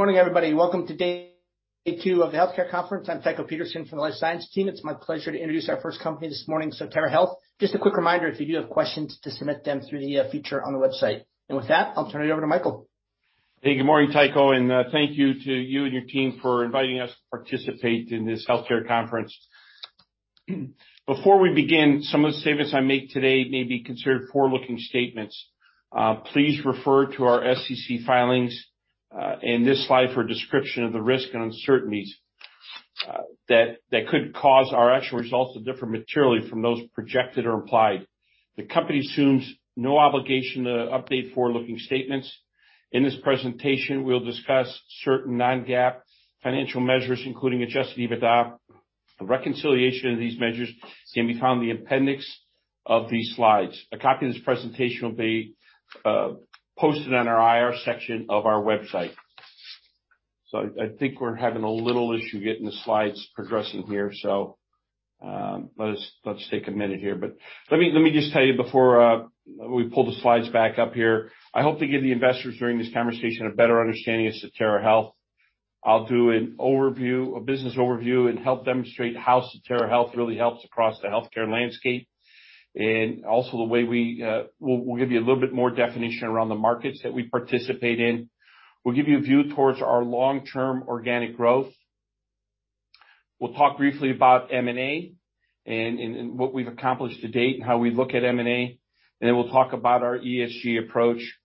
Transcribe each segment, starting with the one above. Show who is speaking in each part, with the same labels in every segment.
Speaker 1: Morning, everybody. Welcome to day two of the healthcare conference. I'm Tycho Peterson from the life science team. It's my pleasure to introduce our first company this morning, Sotera Health. Just a quick reminder, if you do have questions, to submit them through the feature on the website. With that, I'll turn it over to Michael.
Speaker 2: Hey, good morning, Tycho, and thank you to you and your team for inviting us to participate in this healthcare conference. Before we begin, some of the statements I make today may be considered forward-looking statements. Please refer to our SEC filings and this slide for a description of the risks and uncertainties that could cause our actual results to differ materially from those projected or implied. The company assumes no obligation to update forward-looking statements. In this presentation, we'll discuss certain non-GAAP financial measures, including adjusted EBITDA. A reconciliation of these measures can be found in the appendix of these slides. A copy of this presentation will be posted on our IR section of our website. I think we're having a little issue getting the slides progressing here, so let's take a minute here. Let me just tell you before we pull the slides back up here. I hope to give the investors during this conversation a better understanding of Sotera Health. I'll do an overview, a business overview and help demonstrate how Sotera Health really helps across the healthcare landscape. We'll also give you a little bit more definition around the markets that we participate in. We'll give you a view towards our long-term organic growth. We'll talk briefly about M&A and what we've accomplished to date and how we look at M&A. We'll talk about our ESG approach,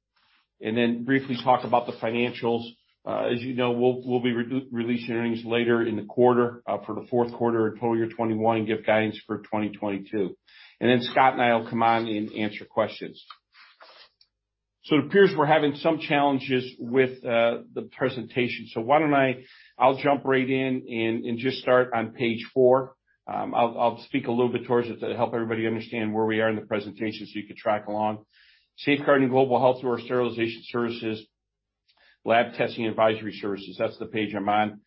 Speaker 2: and then briefly talk about the financials. As you know, we'll be re-releasing earnings later in the quarter for the fourth quarter and total year 2021, and give guidance for 2022. Scott and I will come on and answer questions. It appears we're having some challenges with the presentation, so why don't I jump right in and just start on page four. I'll speak a little bit towards it to help everybody understand where we are in the presentation so you can track along. Safeguarding global health through our sterilization services, lab testing advisory services. That's the page I'm on.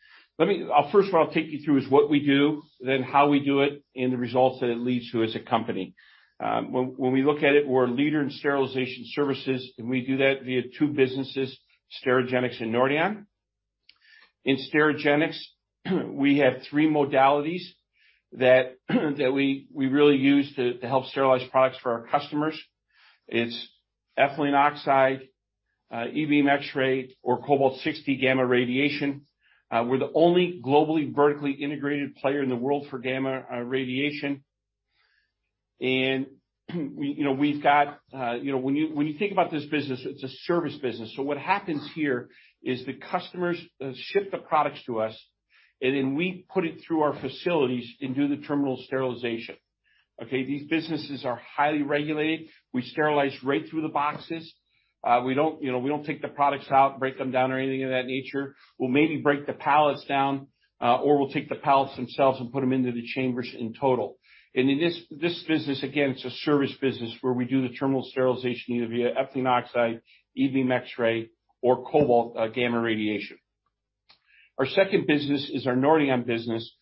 Speaker 2: First what I'll take you through is what we do, then how we do it, and the results that it leads to as a company. When we look at it, we're a leader in sterilization services, and we do that via two businesses, Sterigenics and Nordion. In Sterigenics, we have three modalities that we really use to help sterilize products for our customers. It's ethylene oxide, E-Beam, X-ray or Cobalt-60 gamma radiation. We're the only globally vertically integrated player in the world for gamma radiation. We, you know, we've got, you know, when you think about this business, it's a service business. What happens here is the customers ship the products to us, and then we put it through our facilities and do the terminal sterilization. Okay. These businesses are highly regulated. We sterilize right through the boxes. We don't, you know, we don't take the products out, break them down or anything of that nature. We'll maybe break the pallets down, or we'll take the pallets themselves and put them into the chambers in total. In this business, again, it's a service business where we do the terminal sterilization either via ethylene oxide, E-Beam, X-ray, or Cobalt-60, gamma radiation. Our second business is our Nordion business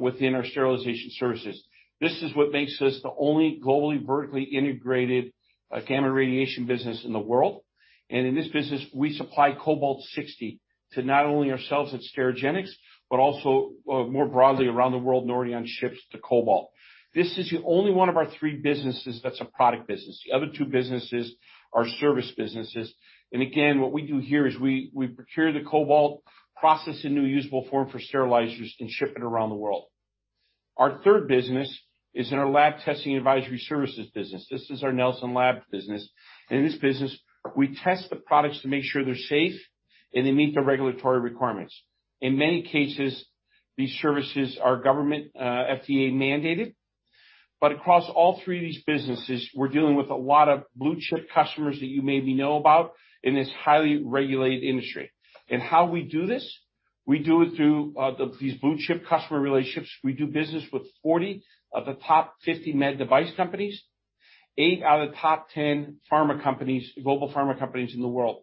Speaker 2: within our sterilization services. This is what makes us the only globally vertically integrated gamma radiation business in the world. In this business, we supply Cobalt-60 to not only ourselves at Sterigenics, but also more broadly around the world. Nordion ships the Cobalt. This is the only one of our three businesses that's a product business. The other two businesses are service businesses. Again, what we do here is we procure the Cobalt, process into a usable form for sterilizers, and ship it around the world. Our third business is in our lab testing advisory services business. This is our Nelson Labs business. In this business, we test the products to make sure they're safe and they meet the regulatory requirements. In many cases, these services are government, FDA mandated. Across all three of these businesses, we're dealing with a lot of blue-chip customers that you maybe know about in this highly regulated industry. How we do this, we do it through these blue-chip customer relationships. We do business with 40 of the top 50 med device companies, eight out of the top 10 pharma companies, global pharma companies in the world.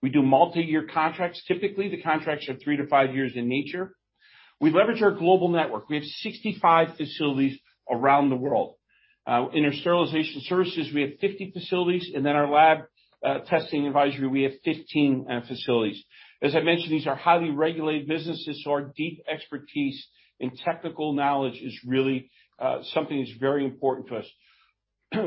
Speaker 2: We do multiyear contracts. Typically, the contracts are three to five years in nature. We leverage our global network. We have 65 facilities around the world. In our sterilization services, we have 50 facilities, and then our lab testing advisory, we have 15 facilities. As I mentioned, these are highly regulated businesses, so our deep expertise and technical knowledge is really something that's very important to us.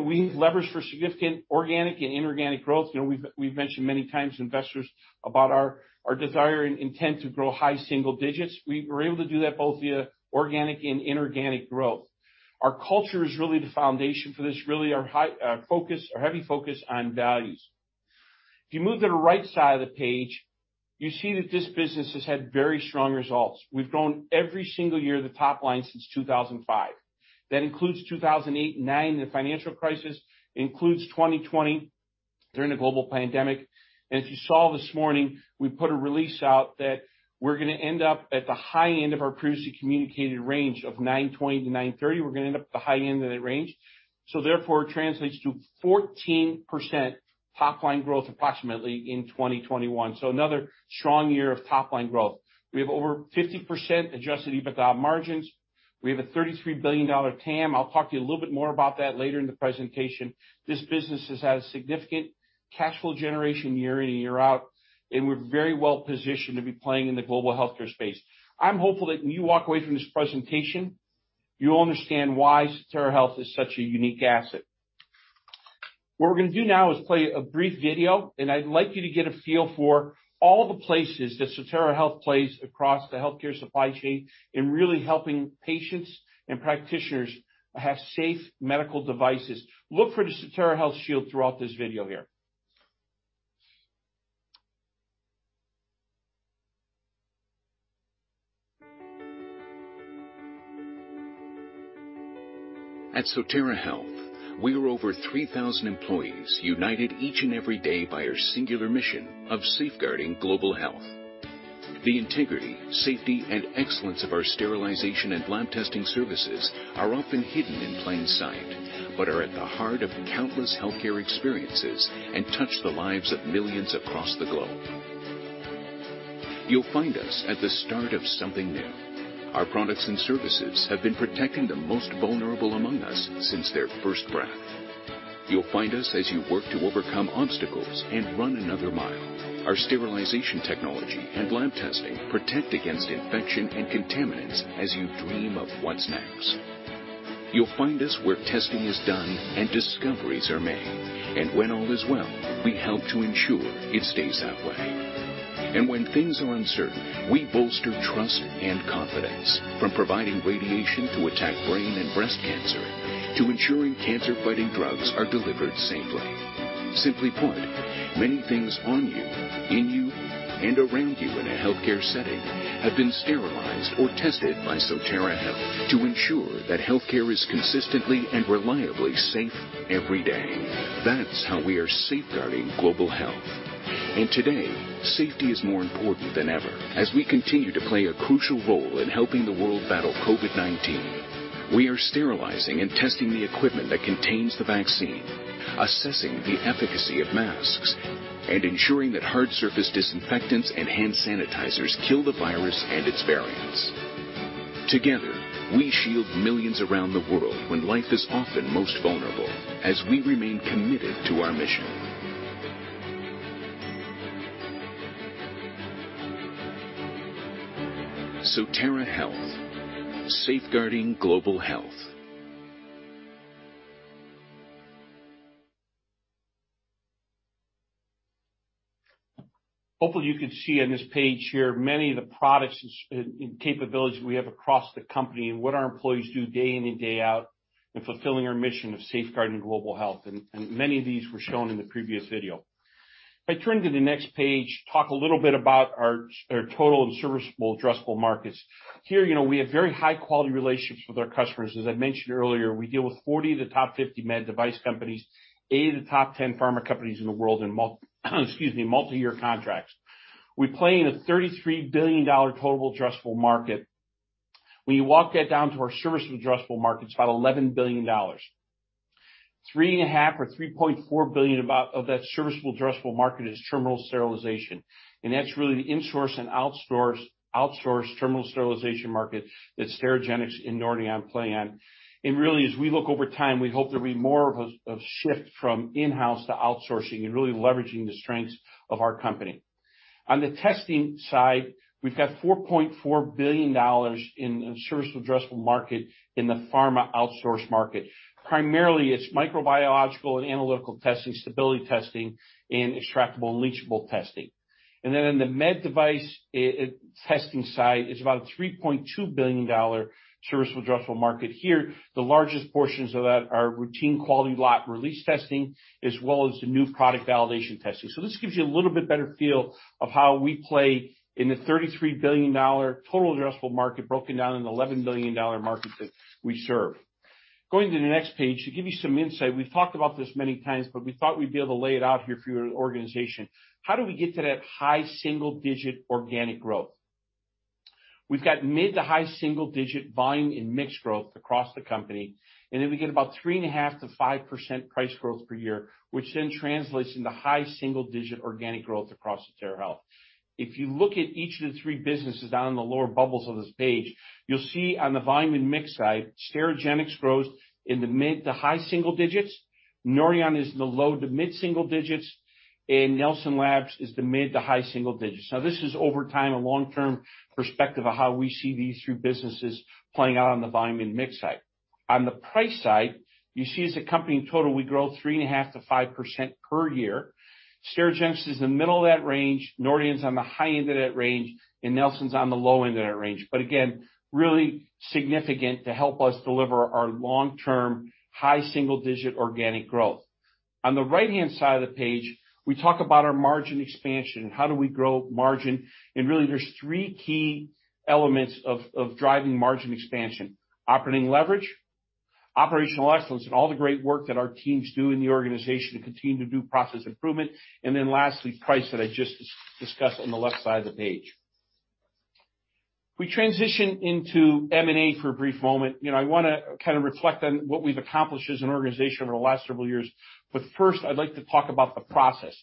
Speaker 2: We leverage for significant organic and inorganic growth. You know, we've mentioned many times to investors about our desire and intent to grow high single digits. We're able to do that both via organic and inorganic growth. Our culture is really the foundation for this, our heavy focus on values. If you move to the right side of the page, you see that this business has had very strong results. We've grown every single year, the top line since 2005. That includes 2008 and 2009, the financial crisis. Includes 2020, during the global pandemic. As you saw this morning, we put a release out that we're gonna end up at the high end of our previously communicated range of $920-$930. We're gonna end up at the high end of that range. Therefore, it translates to 14% top line growth approximately in 2021. Another strong year of top line growth. We have over 50% adjusted EBITDA margins. We have a $33 billion TAM. I'll talk to you a little bit more about that later in the presentation. This business has had a significant cash flow generation year in and year out, and we're very well-positioned to be playing in the global healthcare space. I'm hopeful that when you walk away from this presentation, you'll understand why Sotera Health is such a unique asset. What we're gonna do now is play a brief video, and I'd like you to get a feel for all the places that Sotera Health plays across the healthcare supply chain in really helping patients and practitioners have safe medical devices. Look for the Sotera Health shield throughout this video here.
Speaker 3: At Sotera Health, we are over 3,000 employees united each and every day by our singular mission of safeguarding global health. The integrity, safety, and excellence of our sterilization and lab testing services are often hidden in plain sight, but are at the heart of countless healthcare experiences and touch the lives of millions across the globe. You'll find us at the start of something new. Our products and services have been protecting the most vulnerable among us since their first breath. You'll find us as you work to overcome obstacles and run another mile. Our sterilization technology and lab testing protect against infection and contaminants as you dream of what's next. You'll find us where testing is done and discoveries are made. When all is well, we help to ensure it stays that way. When things are uncertain, we bolster trust and confidence. From providing radiation to attack brain and breast cancer, to ensuring cancer-fighting drugs are delivered safely. Simply put, many things on you, in you, and around you in a healthcare setting have been sterilized or tested by Sotera Health to ensure that healthcare is consistently and reliably safe every day. That's how we are safeguarding global health. Today, safety is more important than ever. As we continue to play a crucial role in helping the world battle COVID-19, we are sterilizing and testing the equipment that contains the vaccine, assessing the efficacy of masks, and ensuring that hard surface disinfectants and hand sanitizers kill the virus and its variants. Together, we shield millions around the world when life is often most vulnerable, as we remain committed to our mission. Sotera Health, safeguarding global health.
Speaker 2: Hopefully, you can see on this page here many of the products and capabilities we have across the company and what our employees do day in and day out in fulfilling our mission of safeguarding global health. Many of these were shown in the previous video. If I turn to the next page, talk a little bit about our total and serviceable addressable markets. Here, you know, we have very high-quality relationships with our customers. As I mentioned earlier, we deal with 40 of the top 50 med device companies, eight of the top 10 pharma companies in the world in multi-year contracts. We play in a $33 billion total addressable market. When you walk that down to our serviceable addressable markets, about $11 billion. $3.5 billion or $3.4 billion of that serviceable addressable market is terminal sterilization. That's really the insource and outsource terminal sterilization market that Sterigenics and Nordion play on. Really, as we look over time, we hope there'll be more of a shift from in-house to outsourcing and really leveraging the strengths of our company. On the testing side, we've got $4.4 billion in serviceable addressable market in the pharma outsource market. Primarily, it's microbiological and analytical testing, stability testing, and extractables and leachables testing. In the med device testing side, it's about a $3.2 billion serviceable addressable market here. The largest portions of that are routine quality lot release testing, as well as the new product validation testing. This gives you a little bit better feel of how we play in the $33 billion total addressable market, broken down in $11 billion markets that we serve. Going to the next page. To give you some insight, we've talked about this many times, but we thought we'd be able to lay it out here for your organization. How do we get to that high single digit organic growth? We've got mid to high single digit volume and mix growth across the company, and then we get about 3.5%-5% price growth per year, which then translates into high single digit organic growth across Sotera Health. If you look at each of the three businesses down in the lower bubbles of this page, you'll see on the volume and mix side, Sterigenics grows in the mid- to high-single-digit, Nordion is in the low- to mid-single-digit, and Nelson Labs is in the mid- to high-single-digit. Now, this is over time, a long-term perspective of how we see these three businesses playing out on the volume and mix side. On the price side, you see as a company total, we grow 3.5%-5% per year. Sterigenics is in the middle of that range, Nordion's on the high end of that range, and Nelson's on the low end of that range. Again, really significant to help us deliver our long-term high-single-digit % organic growth. On the right-hand side of the page, we talk about our margin expansion. How do we grow margin? Really there's three key elements of driving margin expansion. Operating leverage, operational excellence, and all the great work that our teams do in the organization to continue to do process improvement. Then lastly, price that I just discussed on the left side of the page. If we transition into M&A for a brief moment. You know, I wanna kinda reflect on what we've accomplished as an organization over the last several years. First, I'd like to talk about the process.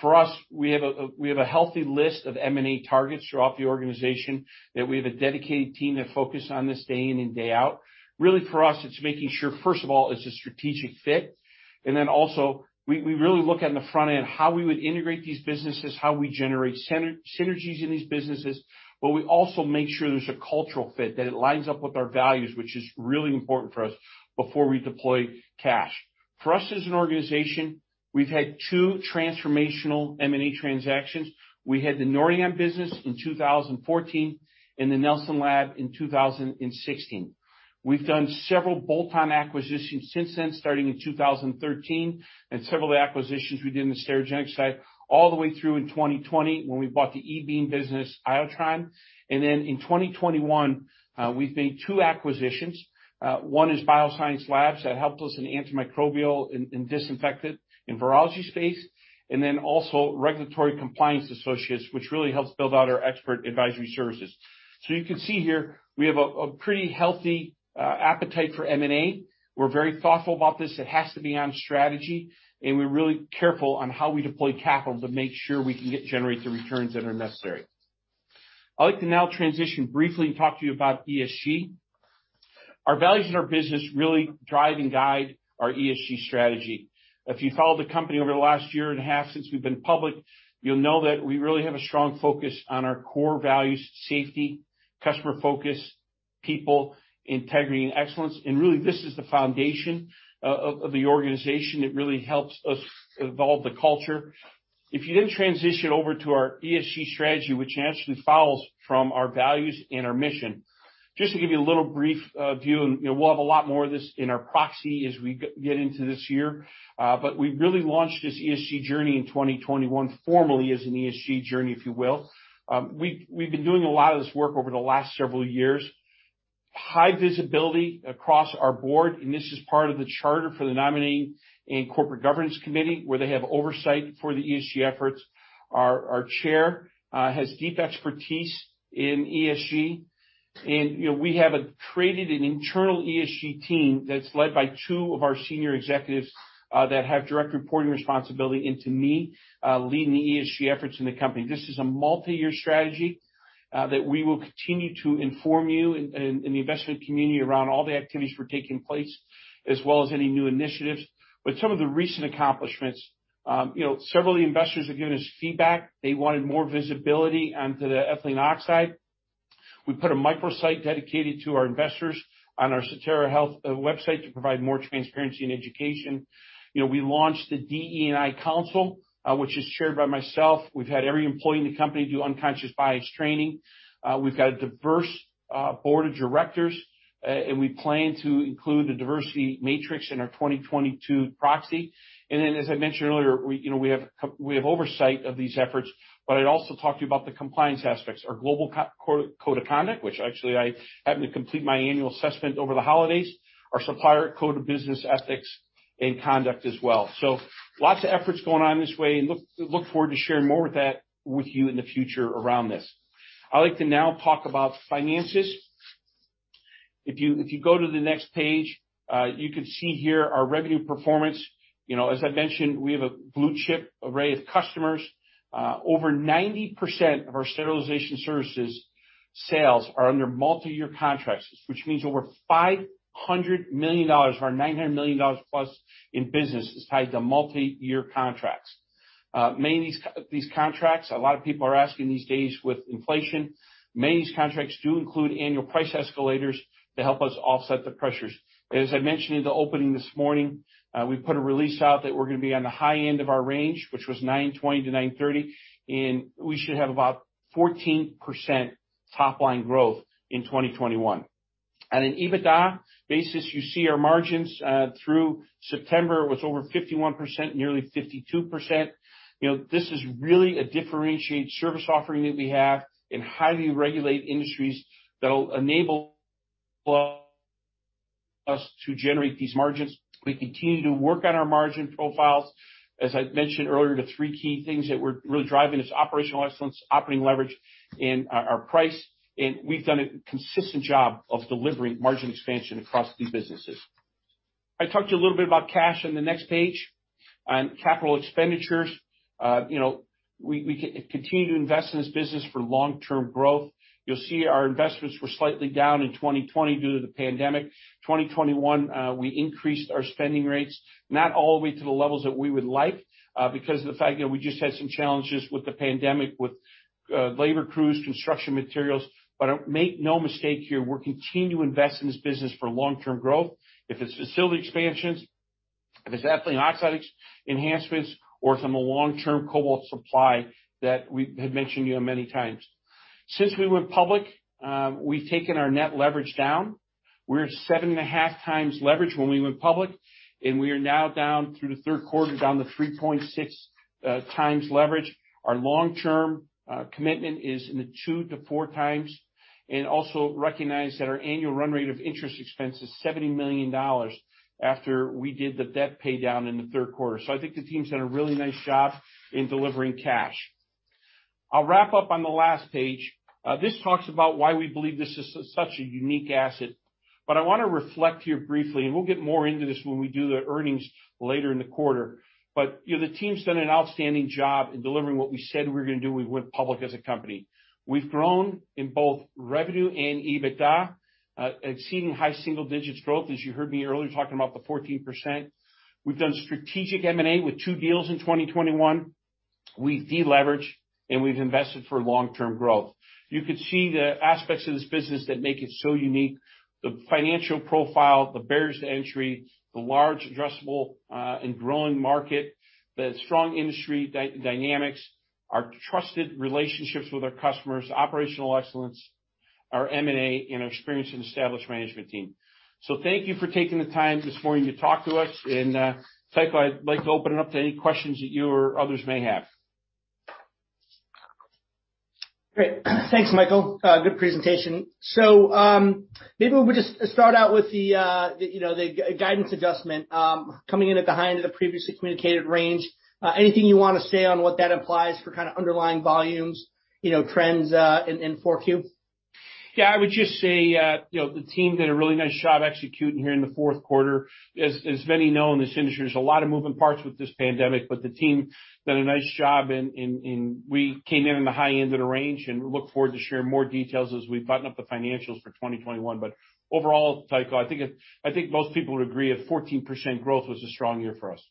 Speaker 2: For us, we have a healthy list of M&A targets throughout the organization, that we have a dedicated team that focuses on this day in and day out. Really, for us, it's making sure, first of all, it's a strategic fit. We really look at, on the front end, how we would integrate these businesses, how we generate synergies in these businesses. We also make sure there's a cultural fit, that it lines up with our values, which is really important for us before we deploy cash. For us, as an organization, we've had two transformational M&A transactions. We had the Nordion business in 2014 and the Nelson Labs in 2016. We've done several bolt-on acquisitions since then, starting in 2013, and several of the acquisitions we did in the Sterigenics side all the way through in 2020 when we bought the E-Beam business, Iotron. In 2021, we've made two acquisitions. One is BioScience Labs. That helped us in antimicrobial and disinfectant and virology space, and then also Regulatory Compliance Associates, which really helps build out our Expert Advisory Services. You can see here we have a pretty healthy appetite for M&A. We're very thoughtful about this. It has to be on strategy, and we're really careful on how we deploy capital to make sure we can get the returns that are necessary. I'd like to now transition briefly and talk to you about ESG. Our values and our business really drive and guide our ESG strategy. If you followed the company over the last year and a half since we've been public, you'll know that we really have a strong focus on our core values, safety, customer focus, people, integrity, and excellence. Really, this is the foundation of the organization. It really helps us evolve the culture. If you then transition over to our ESG strategy, which naturally follows from our values and our mission. Just to give you a little brief view, and you know, we'll have a lot more of this in our proxy as we get into this year. We really launched this ESG journey in 2021, formally as an ESG journey, if you will. We've been doing a lot of this work over the last several years. High visibility across our board, and this is part of the charter for the nominating and corporate governance committee, where they have oversight for the ESG efforts. Our chair has deep expertise in ESG. You know, we have created an internal ESG team that's led by two of our senior executives that have direct reporting responsibility into me, leading the ESG efforts in the company. This is a multi-year strategy that we will continue to inform you and the investment community around all the activities that were taking place, as well as any new initiatives. Some of the recent accomplishments, you know, several of the investors have given us feedback. They wanted more visibility into the ethylene oxide. We put a microsite dedicated to our investors on our Sotera Health website to provide more transparency and education. You know, we launched the DE&I council, which is chaired by myself. We've had every employee in the company do unconscious bias training. We've got a diverse board of directors, and we plan to include a diversity matrix in our 2022 proxy. As I mentioned earlier, you know, we have oversight of these efforts. I'd also talk to you about the compliance aspects. Our global code of conduct, which actually I happened to complete my annual assessment over the holidays. Our supplier code of business ethics and conduct as well. Lots of efforts going on this way and look forward to sharing more of that with you in the future around this. I'd like to now talk about finances. If you go to the next page, you can see here our revenue performance. You know, as I mentioned, we have a blue chip array of customers. Over 90% of our sterilization services sales are under multi-year contracts, which means over $500 million of our $900 million+ in business is tied to multi-year contracts. Many of these contracts, a lot of people are asking these days with inflation, many of these contracts do include annual price escalators to help us offset the pressures. As I mentioned in the opening this morning, we put a release out that we're gonna be on the high end of our range, which was $920-$930, and we should have about 14% top line growth in 2021. On an EBITDA basis, you see our margins through September was over 51%, nearly 52%. You know, this is really a differentiated service offering that we have in highly regulated industries that'll enable us to generate these margins. We continue to work on our margin profiles. As I mentioned earlier, the three key things that we're really driving is operational excellence, operating leverage, and our price. We've done a consistent job of delivering margin expansion across these businesses. I talked to you a little bit about cash on the next page. On capital expenditures, you know, we continue to invest in this business for long-term growth. You'll see our investments were slightly down in 2020 due to the pandemic. 2021, we increased our spending rates, not all the way to the levels that we would like, because of the fact that we just had some challenges with the pandemic, with labor crews, construction materials. Make no mistake here, we're continuing to invest in this business for long-term growth. If it's facility expansions, if it's ethylene oxide enhancements or from a long-term cobalt supply that we had mentioned to you many times. Since we went public, we've taken our net leverage down. We were 7.5x leverage when we went public, and we are now down through the third quarter, down to 3.6x leverage. Our long-term commitment is in the 2x-4x. Also recognize that our annual run rate of interest expense is $70 million after we did the debt paydown in the third quarter. I think the team's done a really nice job in delivering cash. I'll wrap up on the last page. This talks about why we believe this is such a unique asset. I wanna reflect here briefly, and we'll get more into this when we do the earnings later in the quarter. You know, the team's done an outstanding job in delivering what we said we were gonna do when we went public as a company. We've grown in both revenue and EBITDA, and seeing high single digits growth, as you heard me earlier talking about the 14%. We've done strategic M&A with two deals in 2021. We've de-leveraged, and we've invested for long-term growth. You could see the aspects of this business that make it so unique, the financial profile, the barriers to entry, the large addressable, and growing market, the strong industry dynamics, our trusted relationships with our customers, operational excellence, our M&A, and experienced and established management team. Thank you for taking the time this morning to talk to us and, Tycho, I'd like to open it up to any questions that you or others may have.
Speaker 1: Great. Thanks, Michael. Good presentation. Maybe we'll just start out with the, you know, guidance adjustment coming in behind the previously communicated range. Anything you wanna say on what that implies for kinda underlying volumes, you know, trends in 4Q?
Speaker 2: Yeah. I would just say, you know, the team did a really nice job executing here in the fourth quarter. As many know, in this industry, there's a lot of moving parts with this pandemic, but the team did a nice job. We came in at the high end of the range and look forward to sharing more details as we button up the financials for 2021. Overall, Tycho, I think most people would agree a 14% growth was a strong year for us.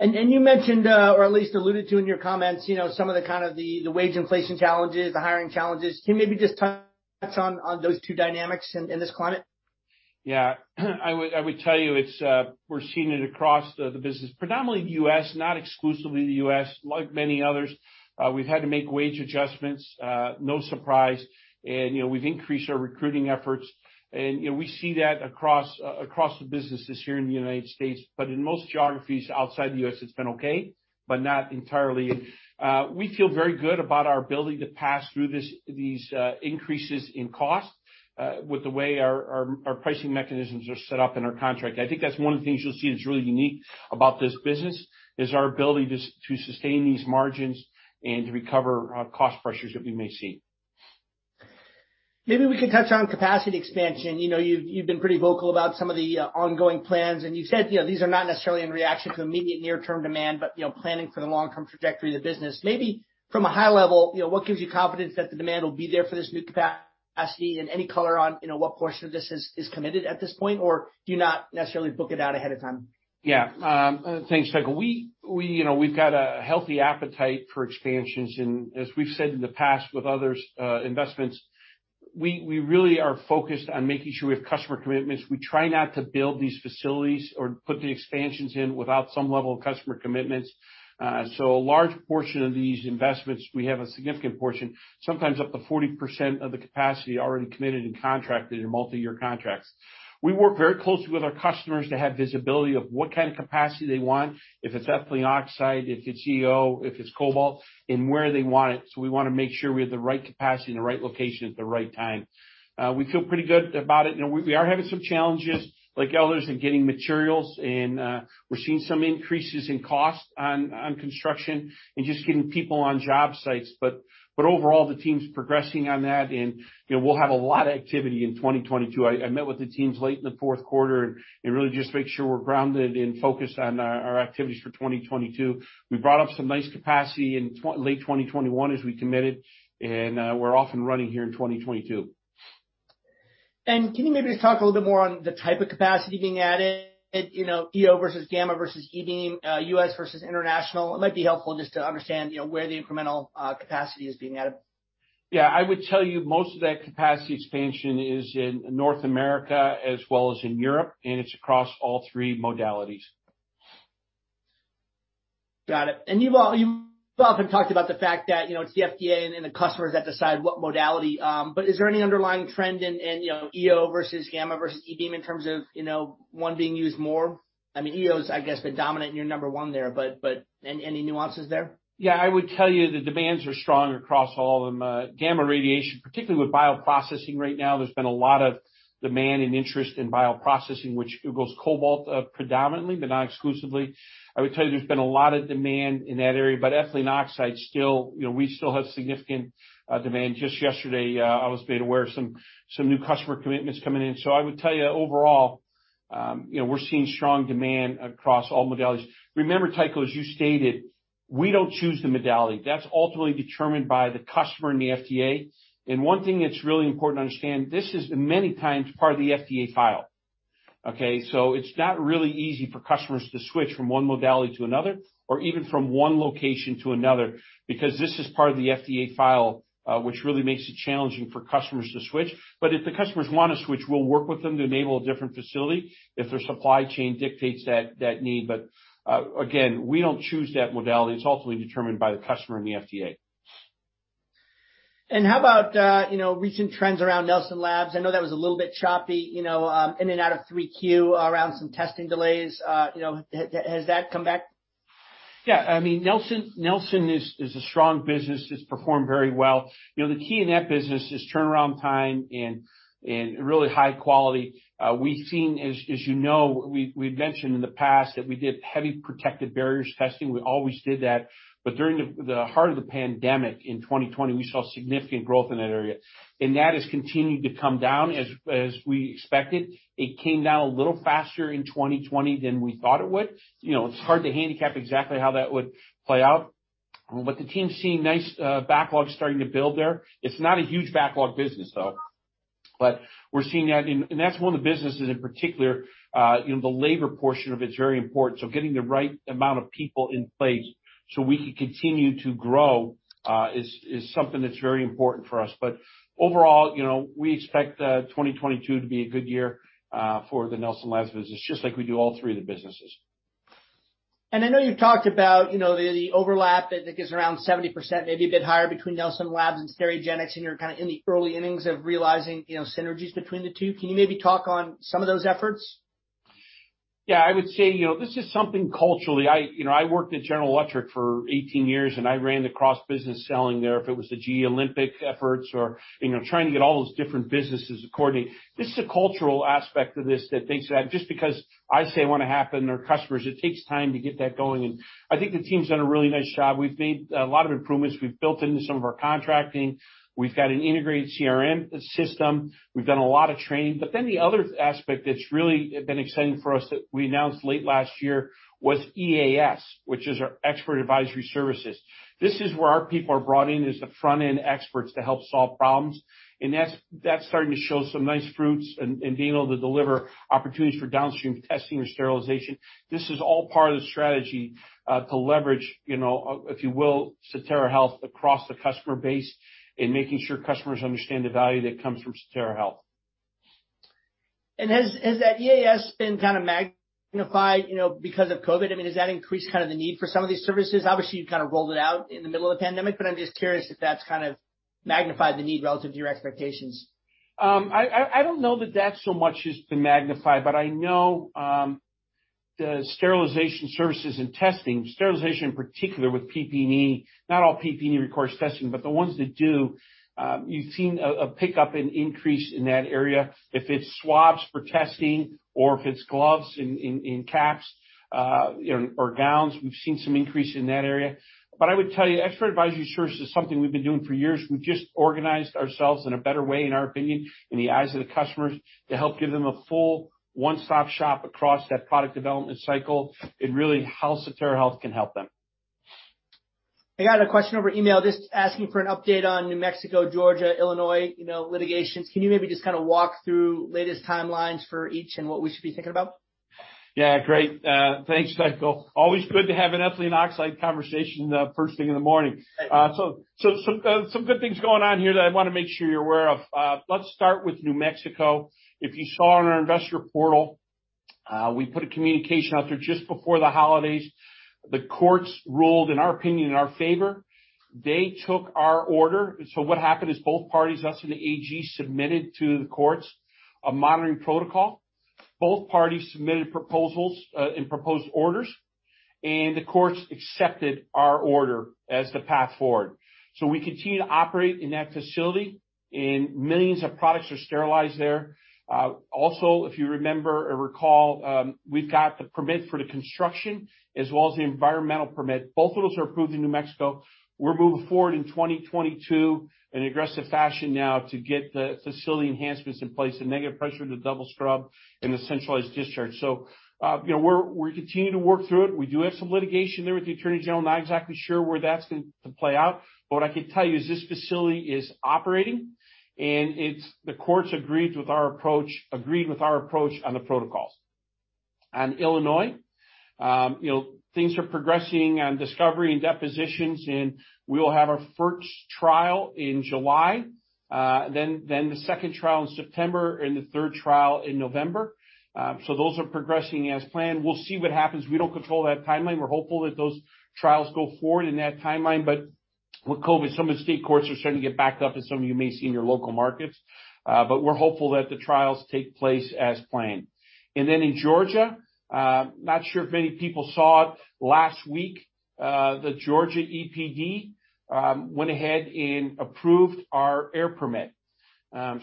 Speaker 1: You mentioned or at least alluded to in your comments, you know, some of the kind of wage inflation challenges, the hiring challenges. Can you maybe just touch on those two dynamics in this climate?
Speaker 2: Yeah. I would tell you it's. We're seeing it across the business, predominantly the U.S., not exclusively the U.S. Like many others, we've had to make wage adjustments, no surprise. You know, we've increased our recruiting efforts and, you know, we see that across the businesses here in the United States. In most geographies outside the U.S., it's been okay, but not entirely. We feel very good about our ability to pass through these increases in cost with the way our pricing mechanisms are set up in our contract. I think that's one of the things you'll see that's really unique about this business is our ability to sustain these margins and to recover cost pressures that we may see.
Speaker 1: Maybe we could touch on capacity expansion. You know, you've been pretty vocal about some of the ongoing plans, and you said, you know, these are not necessarily in reaction to immediate near-term demand, but, you know, planning for the long-term trajectory of the business. Maybe from a high level, you know, what gives you confidence that the demand will be there for this new capacity? Any color on, you know, what portion of this is committed at this point, or do you not necessarily book it out ahead of time?
Speaker 2: Yeah. Thanks, Tycho. You know, we've got a healthy appetite for expansions, and as we've said in the past with others, investments, we really are focused on making sure we have customer commitments. We try not to build these facilities or put the expansions in without some level of customer commitments. A large portion of these investments, we have a significant portion, sometimes up to 40% of the capacity already committed and contracted in multiyear contracts. We work very closely with our customers to have visibility of what kind of capacity they want, if it's ethylene oxide, if it's EO, if it's cobalt, and where they want it. We wanna make sure we have the right capacity in the right location at the right time. We feel pretty good about it. You know, we are having some challenges, like others, in getting materials and, we're seeing some increases in cost on construction and just getting people on job sites. Overall, the team's progressing on that and, you know, we'll have a lot of activity in 2022. I met with the teams late in the fourth quarter and really just to make sure we're grounded and focused on our activities for 2022. We brought up some nice capacity in late 2021 as we committed, and we're off and running here in 2022.
Speaker 1: Can you maybe just talk a little bit more on the type of capacity being added, you know, EO versus gamma versus E-Beam, U.S. versus international? It might be helpful just to understand, you know, where the incremental capacity is being added.
Speaker 2: Yeah. I would tell you most of that capacity expansion is in North America as well as in Europe, and it's across all three modalities.
Speaker 1: Got it. You've often talked about the fact that, you know, it's the FDA and then the customers that decide what modality, but is there any underlying trend in, you know, EO versus gamma versus E-beam in terms of, you know, one being used more? I mean, EO's, I guess, been dominant. You're number one there, but any nuances there?
Speaker 2: Yeah. I would tell you the demands are strong across all of them. Gamma radiation, particularly with bioprocessing right now, there's been a lot of demand and interest in bioprocessing, which goes cobalt, predominantly, but not exclusively. I would tell you there's been a lot of demand in that area, but ethylene oxide still, you know, we still have significant demand. Just yesterday, I was made aware of some new customer commitments coming in. So I would tell you overall, you know, we're seeing strong demand across all modalities. Remember, Tycho, as you stated, we don't choose the modality. That's ultimately determined by the customer and the FDA. One thing that's really important to understand, this is many times part of the FDA file, okay? It's not really easy for customers to switch from one modality to another or even from one location to another because this is part of the FDA file, which really makes it challenging for customers to switch. If the customers wanna switch, we'll work with them to enable a different facility if their supply chain dictates that need. Again, we don't choose that modality. It's ultimately determined by the customer and the FDA.
Speaker 1: How about recent trends around Nelson Labs? I know that was a little bit choppy, you know, in and out of 3Q around some testing delays. You know, has that come back?
Speaker 2: Yeah, I mean, Nelson is a strong business. It's performed very well. You know, the key in that business is turnaround time and really high quality. We've seen, as you know, we've mentioned in the past that we did heavy protective barrier testing. We always did that. But during the heart of the pandemic in 2020, we saw significant growth in that area, and that has continued to come down as we expected. It came down a little faster in 2020 than we thought it would. You know, it's hard to handicap exactly how that would play out. But the team's seeing nice backlogs starting to build there. It's not a huge backlog business though, but we're seeing that and that's one of the businesses in particular, you know, the labor portion of it's very important. Getting the right amount of people in place so we can continue to grow is something that's very important for us. Overall, you know, we expect 2022 to be a good year for the Nelson Labs business, just like we do all three of the businesses.
Speaker 1: I know you've talked about, you know, the overlap, I think it's around 70%, maybe a bit higher between Nelson Labs and Sterigenics, and you're kinda in the early innings of realizing, you know, synergies between the two. Can you maybe talk on some of those efforts?
Speaker 2: Yeah. I would say, you know, this is something culturally. You know, I worked at General Electric for 18 years, and I ran the cross business selling there. If it was the GE Olympic efforts or, you know, trying to get all those different businesses to coordinate. This is a cultural aspect of this that takes that. Just because I say I want to happen or customers, it takes time to get that going. I think the team's done a really nice job. We've made a lot of improvements. We've built into some of our contracting. We've got an integrated CRM system. We've done a lot of training. The other aspect that's really been exciting for us that we announced late last year was EAS, which is our Expert Advisory Services. This is where our people are brought in as the front-end experts to help solve problems, and that's starting to show some nice fruits and being able to deliver opportunities for downstream testing or sterilization. This is all part of the strategy to leverage, you know, if you will, Sotera Health across the customer base and making sure customers understand the value that comes from Sotera Health.
Speaker 1: Has that EAS been kinda magnified, you know, because of COVID? I mean, has that increased kind of the need for some of these services? Obviously, you kinda rolled it out in the middle of the pandemic, but I'm just curious if that's kind of magnified the need relative to your expectations.
Speaker 2: I don't know that so much has been magnified, but I know the sterilization services and testing, sterilization, in particular with PPE. Not all PPE requires testing, but the ones that do, you've seen a pickup and increase in that area. If it's swabs for testing or if it's gloves and caps, you know, or gowns, we've seen some increase in that area. I would tell you, Expert Advisory Services is something we've been doing for years. We've just organized ourselves in a better way, in our opinion, in the eyes of the customers to help give them a full one-stop shop across that product development cycle and really how Sotera Health can help them.
Speaker 1: I got a question over email just asking for an update on New Mexico, Georgia, Illinois, you know, litigations. Can you maybe just kinda walk through latest timelines for each and what we should be thinking about?
Speaker 2: Yeah. Great. Thanks, Tycho. Always good to have an ethylene oxide conversation first thing in the morning.
Speaker 1: Right.
Speaker 2: Some good things going on here that I wanna make sure you're aware of. Let's start with New Mexico. If you saw on our investor portal, we put a communication out there just before the holidays. The courts ruled, in our opinion, in our favor. They took our order. What happened is both parties, us and the AG, submitted to the courts a monitoring protocol. Both parties submitted proposals, and proposed orders, and the courts accepted our order as the path forward. We continue to operate in that facility, and millions of products are sterilized there. Also, if you remember or recall, we've got the permit for the construction as well as the environmental permit. Both of those are approved in New Mexico. We're moving forward in 2022 in aggressive fashion now to get the facility enhancements in place, the negative pressure, the double scrub, and the centralized discharge. You know, we continue to work through it. We do have some litigation there with the Attorney General. Not exactly sure where that's going to play out, but what I can tell you is this facility is operating, and the courts agreed with our approach on the protocols. On Illinois, you know, things are progressing on discovery and depositions, and we will have our first trial in July, then the second trial in September and the third trial in November. Those are progressing as planned. We'll see what happens. We don't control that timeline. We're hopeful that those trials go forward in that timeline. With COVID, some of the state courts are starting to get backed up, as some of you may see in your local markets. We're hopeful that the trials take place as planned. In Georgia, not sure if many people saw it. Last week, the Georgia EPD went ahead and approved our air permit. That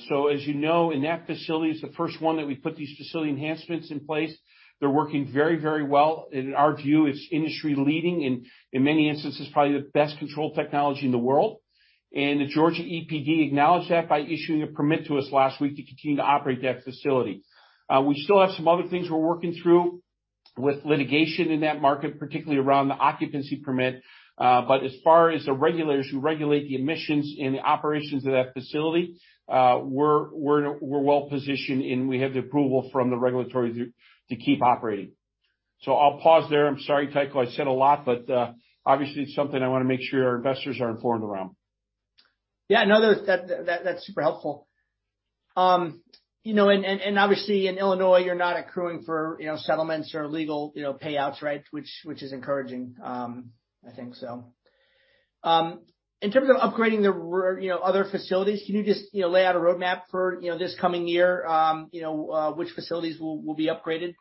Speaker 2: facility is the first one that we put these facility enhancements in place. They're working very, very well. In our view, it's industry-leading and in many instances, probably the best control technology in the world. The Georgia EPD acknowledged that by issuing a permit to us last week to continue to operate that facility. We still have some other things we're working through with litigation in that market, particularly around the occupancy permit. As far as the regulators who regulate the emissions and the operations of that facility, we're well-positioned, and we have the approval from the regulatory to keep operating. I'll pause there. I'm sorry, Tycho. I said a lot, but obviously, it's something I wanna make sure our investors are informed around.
Speaker 1: Yeah. No, that's super helpful. You know, obviously in Illinois, you're not accruing for, you know, settlements or legal, you know, payouts, right? Which is encouraging, I think so. In terms of upgrading other facilities, can you just, you know, lay out a roadmap for, you know, this coming year, you know, which facilities will be upgraded?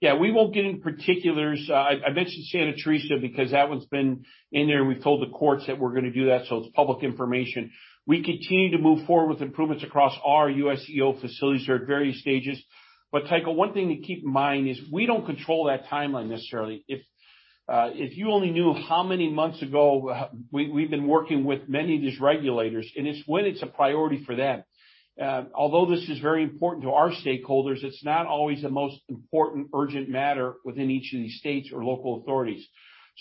Speaker 2: Yeah. We won't get into particulars. I mentioned Santa Teresa because that one's been in there, and we've told the courts that we're gonna do that, so it's public information. We continue to move forward with improvements across our U.S. EO facilities. They're at various stages. Tycho, one thing to keep in mind is we don't control that timeline necessarily. If you only knew how many months ago we've been working with many of these regulators, and it's when it's a priority for them. Although this is very important to our stakeholders, it's not always the most important, urgent matter within each of these states or local authorities.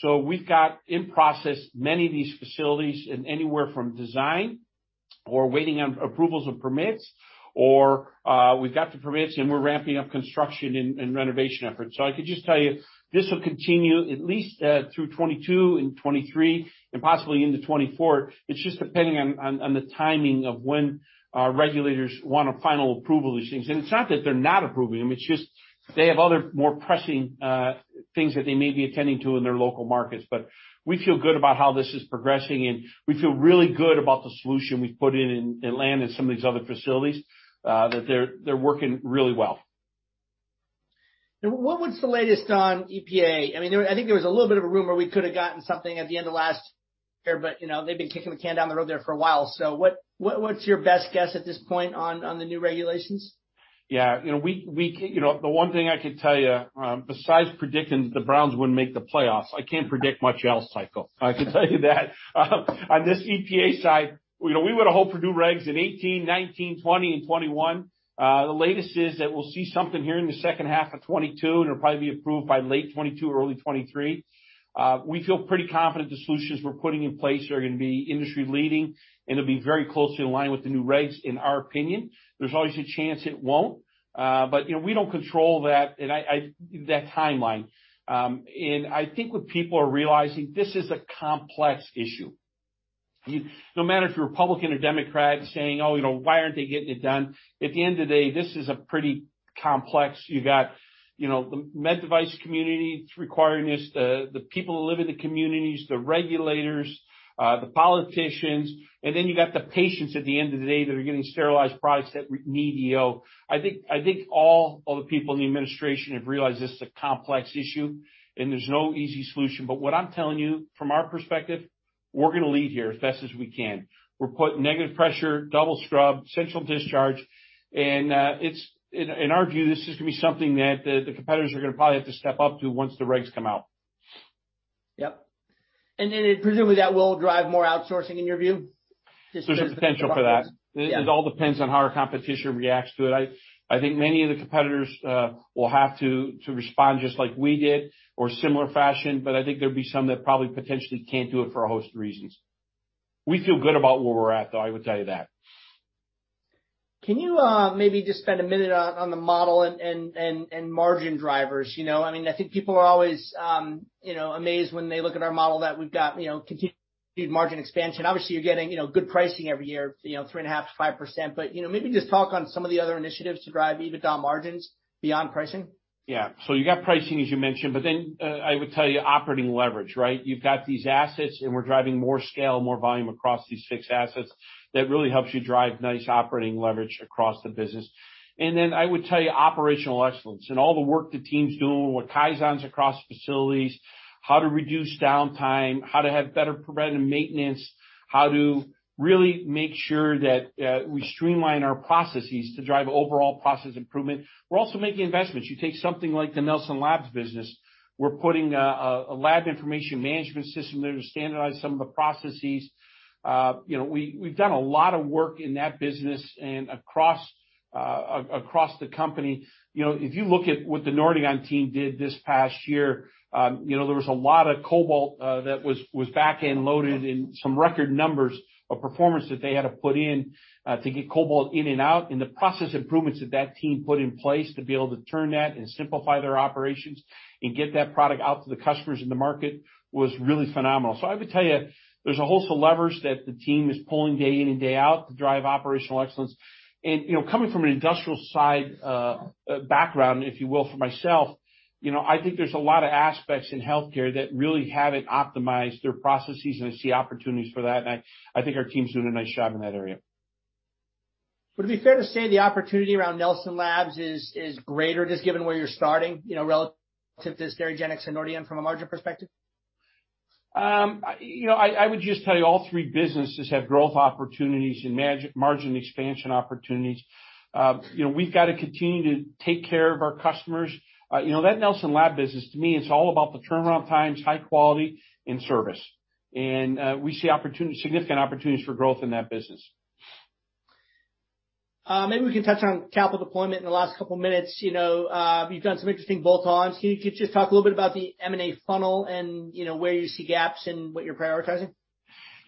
Speaker 2: We've got in process many of these facilities in anywhere from design or waiting on approvals of permits, or, we've got the permits, and we're ramping up construction and renovation efforts. I could just tell you, this will continue at least through 2022 and 2023 and possibly into 2024. It's just depending on the timing of when our regulators want to final approve all these things. It's not that they're not approving them. It's just they have other more pressing things that they may be attending to in their local markets. We feel good about how this is progressing, and we feel really good about the solution we've put in in Atlanta and some of these other facilities that they're working really well.
Speaker 1: What's the latest on EPA? I mean, I think there was a little bit of a rumor we could have gotten something at the end of last year, but, you know, they've been kicking the can down the road there for a while. What's your best guess at this point on the new regulations?
Speaker 2: Yeah. You know, the one thing I could tell you, besides predicting the Browns wouldn't make the playoffs, I can't predict much else, Tycho. I can tell you that. On this EPA side, you know, we would've hoped for new regs in 2018, 2019, 2020 and 2021. The latest is that we'll see something here in the second half of 2022, and it'll probably be approved by late 2022 or early 2023. We feel pretty confident the solutions we're putting in place are gonna be industry-leading, and it'll be very closely in line with the new regs, in our opinion. There's always a chance it won't. You know, we don't control that, and that timeline. I think what people are realizing, this is a complex issue. No matter if you're Republican or Democrat saying, "Oh, you know, why aren't they getting it done?" At the end of the day, this is a pretty complex. You got, you know, the med device community that's requiring this, the people who live in the communities, the regulators, the politicians, and then you got the patients at the end of the day that are getting sterilized products that need EO. I think all the people in the administration have realized this is a complex issue, and there's no easy solution. What I'm telling you from our perspective, we're gonna lead here as fast as we can. We're putting negative pressure, double scrub, central discharge, and it's. In our view, this is gonna be something that the competitors are gonna probably have to step up to once the regs come out.
Speaker 1: Yep. Presumably, that will drive more outsourcing in your view? Just-
Speaker 2: There's a potential for that.
Speaker 1: Yeah.
Speaker 2: It all depends on how our competition reacts to it. I think many of the competitors will have to respond just like we did or similar fashion, but I think there'll be some that probably potentially can't do it for a host of reasons. We feel good about where we're at, though, I would tell you that.
Speaker 1: Can you maybe just spend a minute on the model and margin drivers? You know, I mean, I think people are always, you know, amazed when they look at our model that we've got, you know, continued margin expansion. Obviously, you're getting, you know, good pricing every year, you know, 3.5%-5%. You know, maybe just talk on some of the other initiatives to drive EBITDA margins beyond pricing.
Speaker 2: Yeah. You got pricing, as you mentioned, but then, I would tell you operating leverage, right? You've got these assets, and we're driving more scale, more volume across these 65 assets. That really helps you drive nice operating leverage across the business. I would tell you operational excellence and all the work the team's doing with Kaizens across facilities, how to reduce downtime, how to have better preventive maintenance, how to really make sure that we streamline our processes to drive overall process improvement. We're also making investments. You take something like the Nelson Labs business. We're putting a laboratory information management system there to standardize some of the processes. You know, we've done a lot of work in that business and across the company. You know, if you look at what the Nordion team did this past year, you know, there was a lot of cobalt that was backend loaded and some record numbers of performance that they had to put in to get cobalt in and out. The process improvements that team put in place to be able to turn that and simplify their operations and get that product out to the customers in the market was really phenomenal. I would tell you, there's a whole set of levers that the team is pulling day in and day out to drive operational excellence. You know, coming from an industrial side, background, if you will, for myself, you know, I think there's a lot of aspects in healthcare that really haven't optimized their processes, and I think our team's doing a nice job in that area.
Speaker 1: Would it be fair to say the opportunity around Nelson Labs is greater, just given where you're starting, you know, relative to Sterigenics and Nordion from a margin perspective?
Speaker 2: You know, I would just tell you all three businesses have growth opportunities and margin expansion opportunities. You know, we've got to continue to take care of our customers. You know, that Nelson Labs business, to me, it's all about the turnaround times, high quality, and service. We see significant opportunities for growth in that business.
Speaker 1: Maybe we can touch on capital deployment in the last couple minutes. You know, you've done some interesting bolt-ons. Can you just talk a little bit about the M&A funnel and, you know, where you see gaps in what you're prioritizing?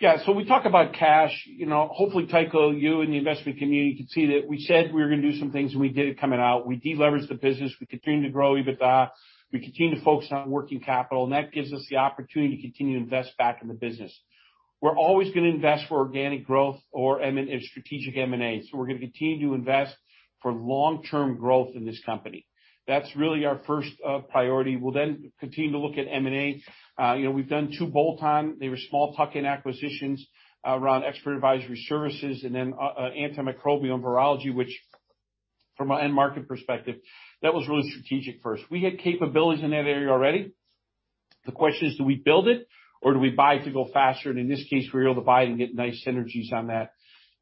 Speaker 2: Yeah. When we talk about cash, you know, hopefully, Tycho, you and the investment community can see that we said we were gonna do some things, and we did it coming out. We de-leveraged the business. We continue to grow EBITDA. We continue to focus on working capital, and that gives us the opportunity to continue to invest back in the business. We're always gonna invest for organic growth or M&A, strategic M&A. We're gonna continue to invest for long-term growth in this company. That's really our first priority. We'll then continue to look at M&A. You know, we've done two bolt-on. They were small tuck-in acquisitions around Expert Advisory Services and then antimicrobial and virology, which from an end market perspective, that was really strategic for us. We had capabilities in that area already. The question is, do we build it or do we buy it to go faster? In this case, we were able to buy it and get nice synergies on that.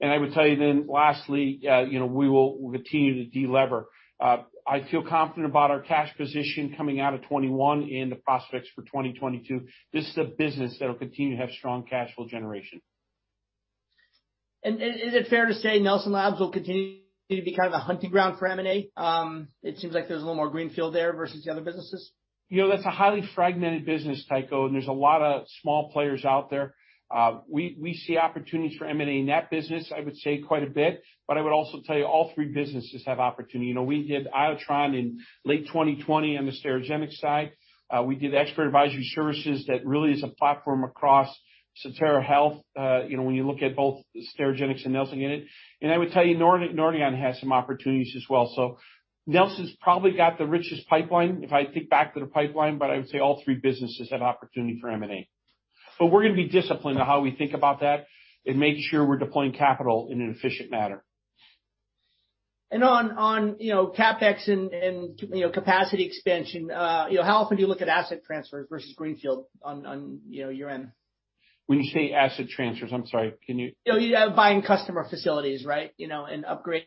Speaker 2: I would tell you then, lastly, we'll continue to de-lever. I feel confident about our cash position coming out of 2021 and the prospects for 2022. This is a business that'll continue to have strong cash flow generation.
Speaker 1: Is it fair to say Nelson Labs will continue to be kind of a hunting ground for M&A? It seems like there's a little more greenfield there versus the other businesses.
Speaker 2: You know, that's a highly fragmented business, Tycho, and there's a lot of small players out there. We see opportunities for M&A in that business, I would say quite a bit, but I would also tell you all three businesses have opportunity. You know, we did Iotron in late 2020 on the Sterigenics side. We did Expert Advisory Services that really is a platform across Sotera Health, you know, when you look at both the Sterigenics and Nelson in it. I would tell you Nordion has some opportunities as well. Nelson's probably got the richest pipeline, if I think back to the pipeline, but I would say all three businesses have opportunity for M&A. We're gonna be disciplined on how we think about that and making sure we're deploying capital in an efficient manner.
Speaker 1: On you know, CapEx and you know, capacity expansion, you know, how often do you look at asset transfers versus greenfield on you know, your end?
Speaker 2: When you say asset transfers, I'm sorry, can you?
Speaker 1: You know, yeah, buying customer facilities, right, you know, and upgrade.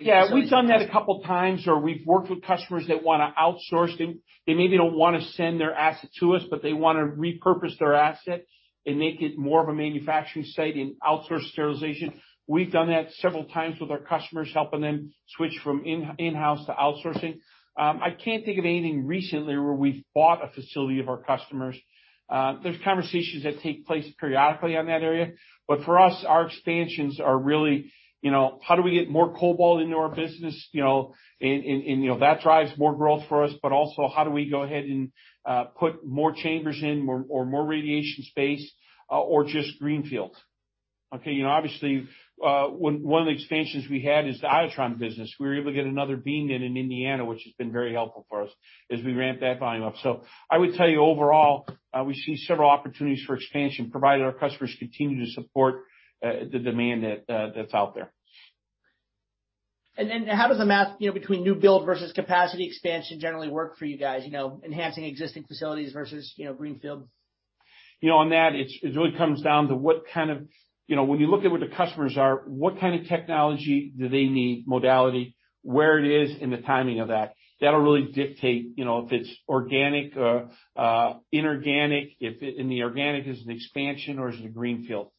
Speaker 2: Yeah. We've done that a couple times where we've worked with customers that wanna outsource. They maybe don't wanna send their asset to us, but they wanna repurpose their asset and make it more of a manufacturing site and outsource sterilization. We've done that several times with our customers, helping them switch from in-house to outsourcing. I can't think of anything recently where we've bought a facility of our customers. There's conversations that take place periodically on that area, but for us, our expansions are really, you know, how do we get more cobalt into our business, you know, and that drives more growth for us, but also how do we go ahead and put more chambers in or more radiation space, or just greenfield. Okay, you know, obviously, one of the expansions we had is the Iotron business. We were able to get another beam in Indiana, which has been very helpful for us as we ramp that volume up. I would tell you overall, we see several opportunities for expansion, provided our customers continue to support the demand that's out there.
Speaker 1: How does the math, you know, between new build versus capacity expansion generally work for you guys? You know, enhancing existing facilities versus, you know, greenfield.
Speaker 2: You know, on that, it really comes down to what kind of. You know, when you look at what the customers are, what kind of technology do they need, modality, where it is and the timing of that. That'll really dictate, you know, if it's organic or inorganic. If in the organic is an expansion or is it a greenfield.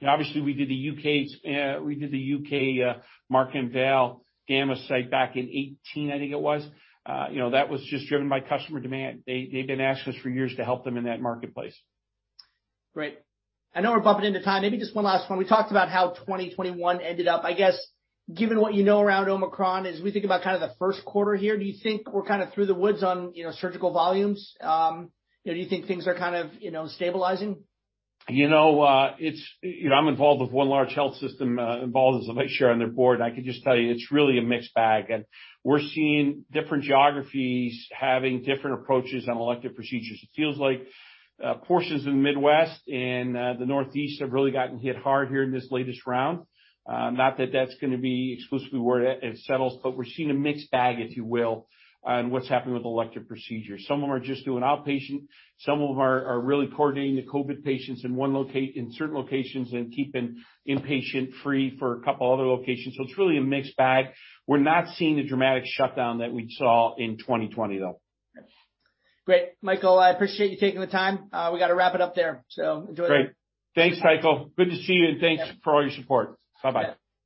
Speaker 2: You know, obviously, we did the U.K. Markham Vale gamma site back in 2018, I think it was. You know, that was just driven by customer demand. They've been asking us for years to help them in that marketplace.
Speaker 1: Great. I know we're bumping into time. Maybe just one last one. We talked about how 2021 ended up. I guess, given what you know around Omicron, as we think about kind of the first quarter here, do you think we're kind of through the woods on, you know, surgical volumes? You know, do you think things are kind of, you know, stabilizing?
Speaker 2: You know, I'm involved with one large health system, involved as the vice chair on their board, and I can just tell you, it's really a mixed bag. We're seeing different geographies having different approaches on elective procedures. It feels like portions of the Midwest and the Northeast have really gotten hit hard here in this latest round. Not that that's gonna be exclusively where it settles, but we're seeing a mixed bag, if you will, on what's happening with elective procedures. Some of them are just doing outpatient, some of them are really coordinating the COVID patients in certain locations and keeping inpatient free for a couple other locations. It's really a mixed bag. We're not seeing the dramatic shutdown that we saw in 2020, though.
Speaker 1: Great. Michael, I appreciate you taking the time. We gotta wrap it up there. I enjoyed it.
Speaker 2: Great. Thanks, Tycho. Good to see you, and thanks for all your support. Bye-bye.